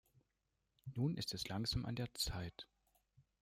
Nun ist es langsam an der Zeit!